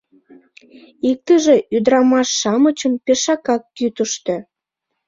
Иктыже ӱдырамаш-шамычым пешакак кӱтыштӧ.